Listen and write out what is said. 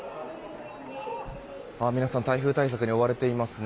皆さん、台風対策に追われていますね。